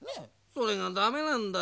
それがだめなんだよ。